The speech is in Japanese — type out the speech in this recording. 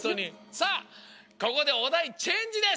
さあここでおだいチェンジです！